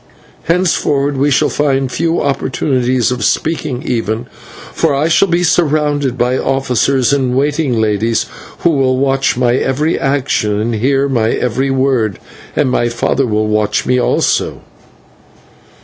Henceforward we shall find few opportunities of speaking, even, for I shall be surrounded by officers and waiting ladies who will watch my every action and hear my every word, and my father will watch me also."